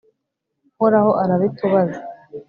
uhoraho arabitubaze